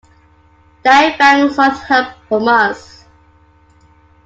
Daifang sought help from us.